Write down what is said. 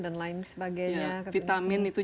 dan lain sebagainya vitamin itu